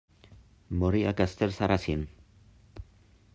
Morí a Castelsarrasin.